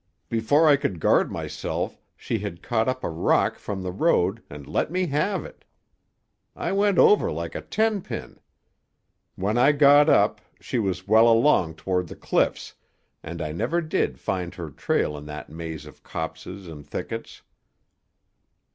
Before I could guard myself she had caught up a rock from the road and let me have it. I went over like a tenpin. When I got up, she was well along toward the cliffs, and I never did find her trail in that maze of copses and thickets."